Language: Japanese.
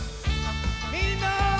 みんな！